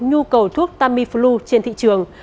nhu cầu thuốc tamiflu trên thị trường